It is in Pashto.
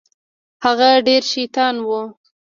هغه ډېر شيطان و.